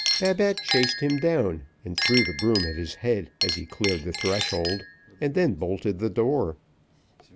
Babette chased him down, threw the broom at his head as he cleared the threshold, and then bolted the door.